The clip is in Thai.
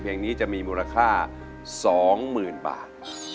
เพลงนี้จะมีมูลค่า๒๐๐๐บาท